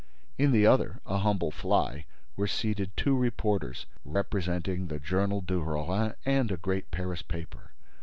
In the other, a humble fly, were seated two reporters, representing the Journal de Rouen and a great Paris paper.